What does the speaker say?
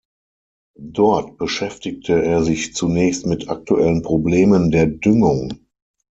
Dort beschäftigte er sich zunächst mit aktuellen Problemen der Düngung.